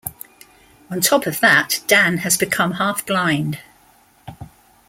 On top of that, Dan has become half-blind.